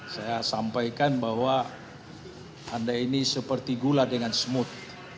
saya sampaikan bahwa anda ini seperti gula dengan smooth